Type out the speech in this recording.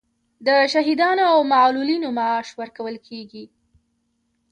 د شهیدانو او معلولینو معاش ورکول کیږي